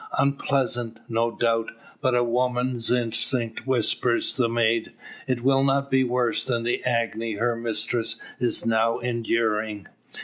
Unpleasant no doubt; but a woman's instinct whispers the maid, it will not be worse than the agony her mistress is now enduring.